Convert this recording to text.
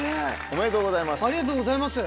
おめでとうございます。